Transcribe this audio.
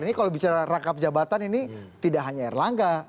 ini kalau bicara rangkap jabatan ini tidak hanya erlangga